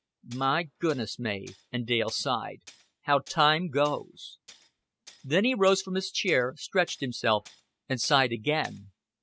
"My goodness, Mav," and Dale sighed, "how time goes." Then he rose from his chair, stretched himself, and sighed again.